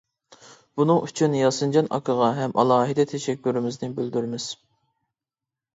بۇنىڭ ئۈچۈن ياسىنجان ئاكىغا ھەم ئالاھىدە تەشەككۈرىمىزنى بىلدۈرىمىز.